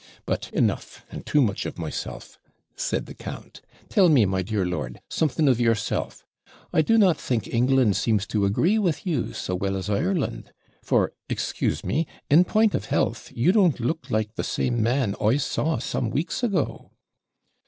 But enough, and too much of myself,' said the count: 'tell me, my dear lord, something of yourself. I do not think England seems to agree with you so well as Ireland; for, excuse me, in point of health, you don't look like the same man I saw some weeks ago.'